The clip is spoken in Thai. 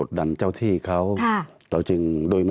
ตั้งแต่เริ่มมีเรื่องแล้ว